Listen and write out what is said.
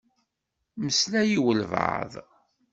Meslay i walebɛaḍ.